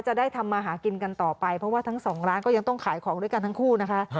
จะได้ทำมาหากินกันต่อไปเพราะว่าทั้งสองร้านก็ยังต้องขายของด้วยกันทั้งคู่นะคะ